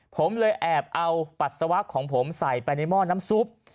ผมเลยแอบเอาปัสสาวะของผมใส่ไปในหม้อน้ำซุป